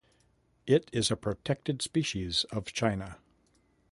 It is a protected species of China.